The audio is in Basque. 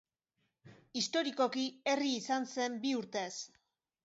Historikoki, herri izan zen bi urtez.